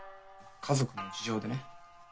家族の事情でね。